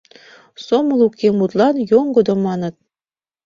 Сомыл уке — мутлан йоҥгыдо, маныт.